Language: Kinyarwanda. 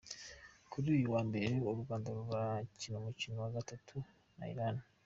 Kuri uyu wa mbere, u Rwanda rurakina umukino wa gatatu na Iran.